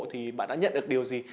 thì bạn đã nhận được điều gì